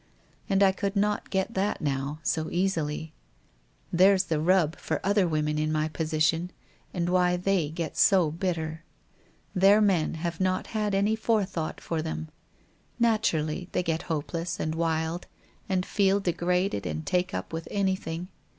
And I could not get that, now, so easily. There's the rub for other women in my position, and why they get so bitter. Their men have not had any forethought for them. Naturally they get hopeless and wild and feel degraded and take up with anything.